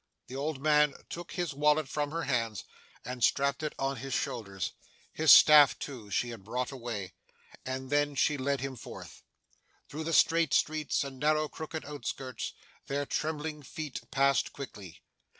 The old man took his wallet from her hands and strapped it on his shoulders his staff, too, she had brought away and then she led him forth. Through the strait streets, and narrow crooked outskirts, their trembling feet passed quickly.